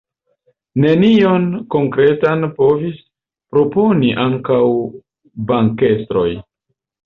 Nenion konkretan povis proponi ankaŭ bankestroj.